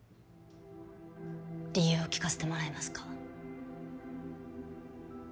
理由を聞かせてもらえますか。